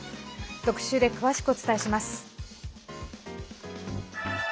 特集で詳しくお伝えします。